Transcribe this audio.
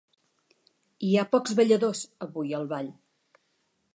Hi ha pocs balladors, avui, al ball.